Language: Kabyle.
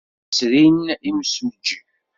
Llan srin imsujji.